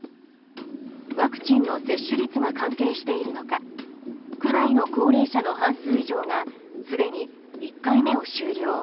ワクチンの接種率が関係しているのか区内の高齢者の半数以上がすでに１回目を終了。